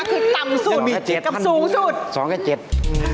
คือต่ำสูตรมีจิตกับสูงสูตรสองกับเจ็ดสองกับเจ็ด